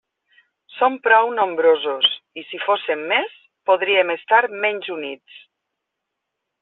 Som prou nombrosos, i si fóssem més, podríem estar menys units.